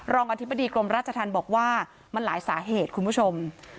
อธิบดีกรมราชธรรมบอกว่ามันหลายสาเหตุคุณผู้ชม